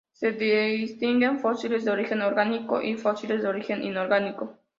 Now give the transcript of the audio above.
Se distinguen fósiles de origen orgánico y fósiles de origen inorgánico.